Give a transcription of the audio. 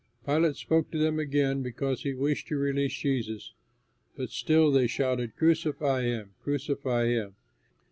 Pilate spoke to them again, because he wished to release Jesus; but still they shouted, "Crucify him! Crucify him!"